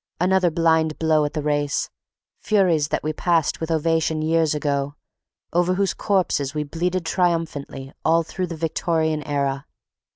another blind blow at the race, furies that we passed with ovations years ago, over whose corpses we bleated triumphantly all through the Victorian era....